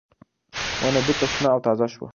ونه بېرته شنه او تازه شوه.